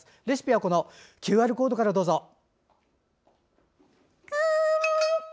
レシピはＱＲコードからどうぞ。